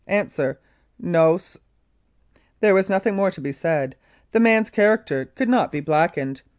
Answer: "No, SV There was nothing more to be said; the man's character could not be blackened.